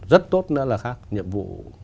rất tốt nữa là khác nhiệm vụ